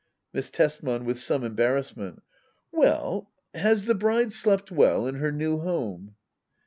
Miss Tesman. [With some embarrassment,] Well — has the bride slept well in her new home